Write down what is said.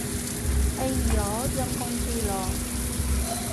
哎唷，陰公豬咯